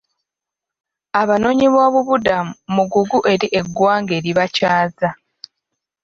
Abanoonyiboobubudamu mugugu eri eggwanga eribakyaza.